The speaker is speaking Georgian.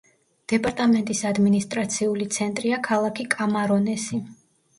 დეპარტამენტის ადმინისტრაციული ცენტრია ქალაქი კამარონესი.